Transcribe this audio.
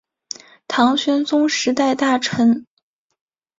唐玄宗时代大臣。